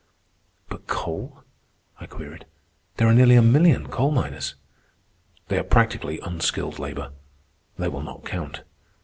"But coal?" I queried. "There are nearly a million coal miners." They are practically unskilled labor. They will not count.